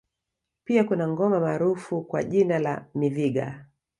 Pia kuna ngoma maarufu kwa jina la Miviga